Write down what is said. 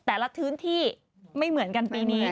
แต่ละพื้นที่ไม่เหมือนกันปีนี้